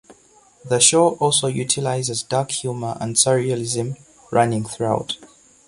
The show also utilises dark humor and surrealism running throughout.